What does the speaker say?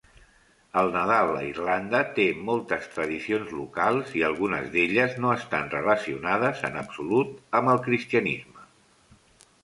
El Nadal a Irlanda té moltes tradicions locals i algunes d"elles no estan relacionades en absolut amb el cristianisme.